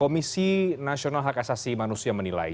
komisi nasional hak asasi manusia menilai